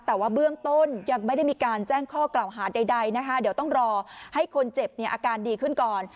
แต่ว่าเบื้องต้นยังไม่ได้มีการแจ้งข้อกล่าวหาใดนะคะเดี๋ยวต้องรอให้คนเจ็บเนี่ยอาการดีขึ้นก่อน